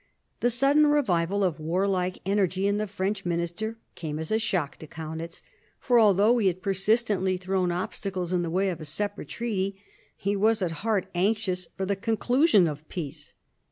The sudden revival of warlike energy in the French minister came as a shock to Kaunitz ; for although he had persistently thrown obstacles in the way of a separate treaty, he was at heart anxious for the conclusion of peace.